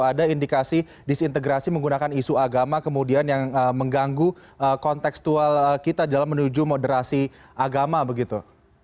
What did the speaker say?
ada indikasi disintegrasi menggunakan isu agama kemudian yang mengganggu konteksual kita dalam menuju moderasi agama begitu